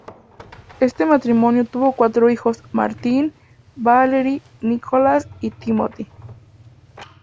Este matrimonio tuvo cuatro hijos, Martin, Valerie, Nicholas y Timothy.